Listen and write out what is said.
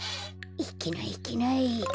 いけないいけない。